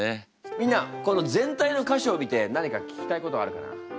みんなこの全体の歌詞を見て何か聞きたいことはあるかな？